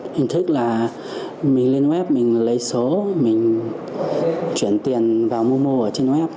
hình thức là mình lên web mình lấy số mình chuyển tiền vào momo ở trên web